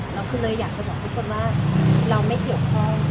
เราคือเลยอยากจะบอกทุกคนว่าเราไม่เกี่ยวข้อง